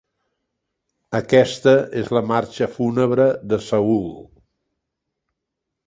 Aquesta és la Marxa fúnebre de "Saul".